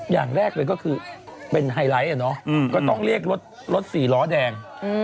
อย่างแรกเลยก็คือเป็นไฮไลท์ก็ต้องเรียกรถสี่ล้อแดง